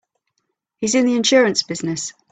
He's in the insurance business.